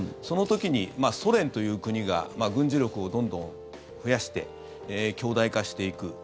その時に、ソ連という国が軍事力をどんどん増やして強大化していく。